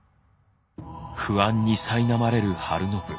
不安にさいなまれる晴信。